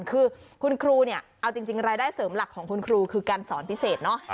คือคุณครูเนี่ยเอาจริงรายได้เสริมหลักของคุณครูคือการสอนพิเศษเนอะ